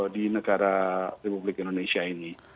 di negara republik indonesia ini